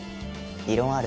異論ある？